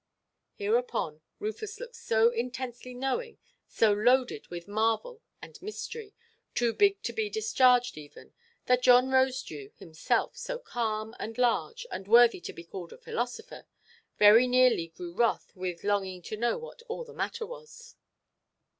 Hereupon Rufus looked so intensely knowing, so loaded with marvel and mystery, too big to be discharged even, that John Rosedew himself, so calm and large, and worthy to be called a philosopher, very nearly grew wroth with longing to know what all the matter was.